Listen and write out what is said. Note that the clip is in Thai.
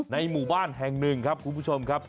หมู่บ้านแห่งหนึ่งครับคุณผู้ชมครับ